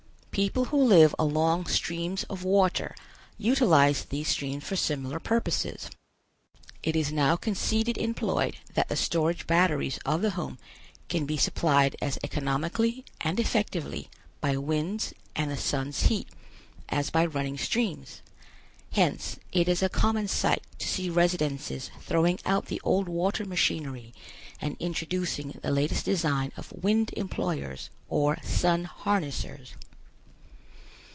People who live along streams of water utilize these streams for similar purposes. It is now conceded in Ploid that the storage batteries of the home can be supplied as economically and effectively by winds and the sun's heat as by running streams; hence it is a common sight to see residences throwing out the old water machinery and introducing the latest design of wind employers or sun harnessers.